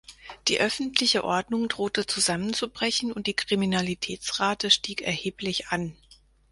Die öffentliche Ordnung drohte zusammenzubrechen und die Kriminalitätsrate stieg erheblich an.